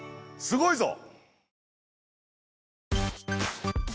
すごいぞ！